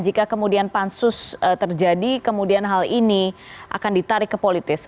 jika kemudian pansus terjadi kemudian hal ini akan ditarik ke politis